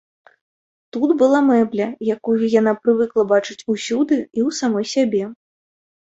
Тут была мэбля, якую яна прывыкла бачыць усюды і ў самой сябе.